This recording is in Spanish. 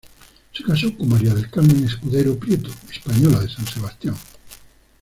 Se casó con María del Carmen Escudero Prieto, española de San Sebastián.